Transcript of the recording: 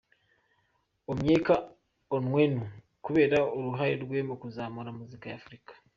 Onyeka Onwenu, kubera uruhare rwe mu kuzamura muzika ya Africa.